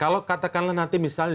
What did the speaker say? kalau katakanlah nanti misalnya